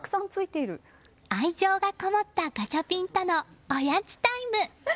愛情がこもったガチャピンとのおやつタイム。